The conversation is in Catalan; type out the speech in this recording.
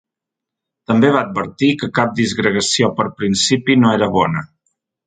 També va advertir que cap disgregació per principi no era bona.